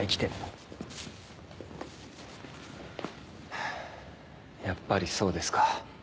ハァやっぱりそうですか。